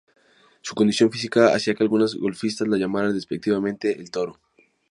Su condición física hacía que algunas golfistas la llamaran despectivamente "El Toro".